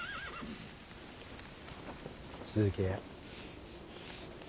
続けや。